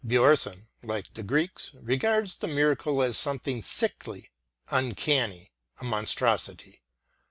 '* Bjornson, like the Greeks, regards the miracle as something sickly, uncanny ŌĆö a monstrosity.